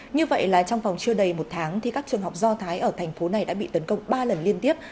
như vậy là trong vòng chưa đầy một tháng thì các trường học do thái ở thành phố này đã bị tấn công ba lần liên tiếp